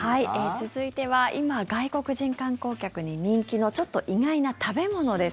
続いては今、外国人観光客に人気のちょっと意外な食べ物です。